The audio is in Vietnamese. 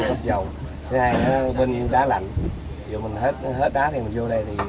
cái thứ hai là bên đá lạnh dù mình hết đá thì mình vô đây thì